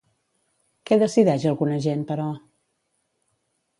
Què decideix alguna gent, però?